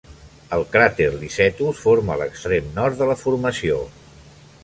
El cràter Licetus forma l'extrem nord de la formació.